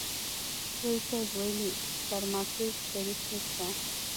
ريس صيب ويلې سرماکيک شريف نسته.